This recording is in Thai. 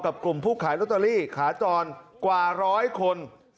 กลุ่มผู้ขายลอตเตอรี่ขาจรกว่าร้อยคน